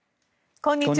こんにちは。